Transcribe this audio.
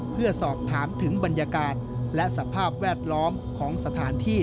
เพื่อสอบถามถึงบรรยากาศและสภาพแวดล้อมของสถานที่